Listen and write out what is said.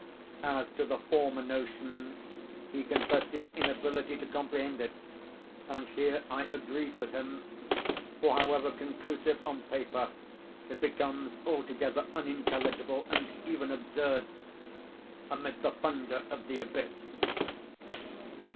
As to the former notion he confessed his inability to comprehend it; and here I agreed with him—for, however conclusive on paper, it becomes altogether unintelligible, and even absurd, amid the thunder of the abyss.